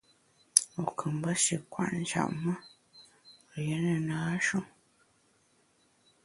Wu kù mbe shi kwet njap me, rié ne na-shu.